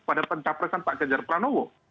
pada pencapresan pak ganjar pranowo